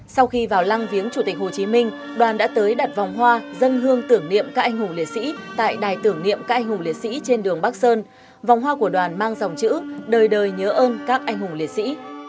sau khi vào lăng viếng chủ tịch hồ chí minh đoàn đã tới đặt vòng hoa dân hương tưởng niệm các anh hùng liệt sĩ tại đài tưởng niệm các anh hùng liệt sĩ trên đường bắc sơn vòng hoa của đoàn mang dòng chữ đời đời nhớ ơn các anh hùng liệt sĩ